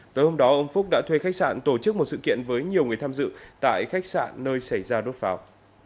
tới hôm đó ông phúc đã thuê khách sạn tổ chức một sự kiện với nhiều người tham dự tại khách sạn nơi xảy ra đốt pháo